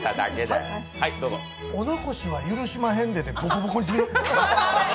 お残しは許しまへんでで、ボコボコにする。